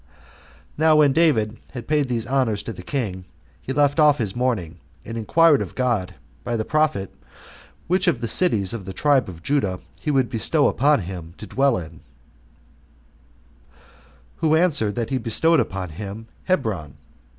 2. Now when David had paid these honors to the king, he left off his mourning, and inquired of God by the prophet which of the cities of the tribe of Judah he would bestow upon him to dwell in; who answered that he bestowed upon him Hebron.